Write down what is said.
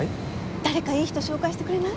誰かいい人紹介してくれない？